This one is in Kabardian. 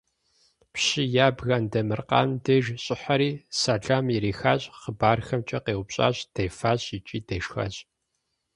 Пщы ябгэ Андемыркъан деж щӀыхьэри сэлам ирихащ хъыбархэмкӀэ къеупщӀащ дефащ икӀи дешхащ.